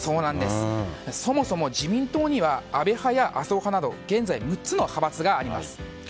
そもそも自民党には安倍派や麻生派など現在６つの派閥があります。